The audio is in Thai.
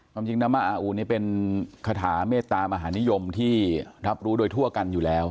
ความจริงน้ำมะอาอูนี่เป็นคาถาเมตตามหานิยมที่รับรู้โดยทั่วกันอยู่แล้ว